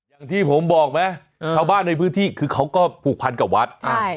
อย่างที่ผมบอกไหมชาวบ้านในพื้นที่คือเขาก็ผูกพันกับวัดใช่